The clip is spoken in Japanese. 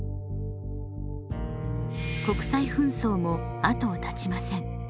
国際紛争も後をたちません。